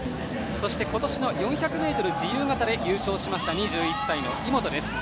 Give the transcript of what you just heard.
そして今年の４００ｍ自由形で優勝しました２１歳の井本。